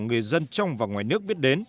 người dân trong và ngoài nước biết đến